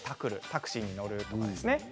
タクシーに乗るとかですね。